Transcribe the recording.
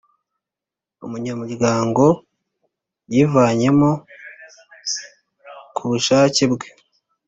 umunyamuryango yivanyemo ku bushake bwe.